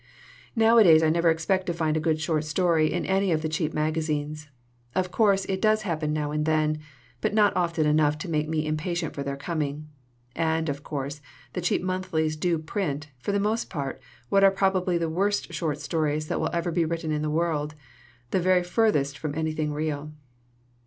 "Nowadays I never expect to find a good short story in any of the cheap magazines. Of course, it does happen now and then, but not often enough to make me impatient for their coming. And, of course, the cheap monthlies do print, for the 106 SOME HARMFUL INFLUENCES most part, what are probably the worst short stories that will ever be written in the world the very furthest from anything real.